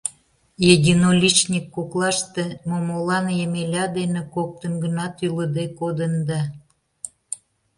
Единоличник коклаште Момолан Емеля дене коктын гына тӱлыде кодында.